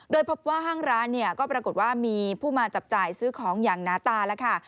โดยพบว่าห้างร้านเนี่ยก็ปรากฏว่ามีผู้มาจับจ่ายซื้อของอย่างหนาตาแล้วค่ะ